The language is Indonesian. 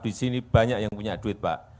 di sini banyak yang punya duit pak